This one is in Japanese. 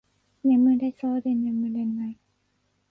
眠れそうで眠れない